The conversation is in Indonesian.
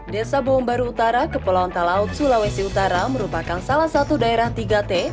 desa bombaru utara kepulauan talaut sulawesi utara merupakan salah satu daerah tiga t